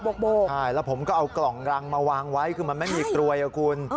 ใช่แล้วผมก็เอากล่องรังมาวางไว้คือมันไม่มีกรวยอ่ะคุณ